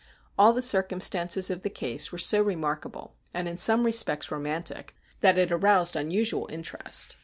All the circumstances of the case were so remarkable, and in some respects romantic, that it aroused unusual interest.